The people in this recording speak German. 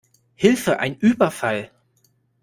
Hilfe ein Überfall!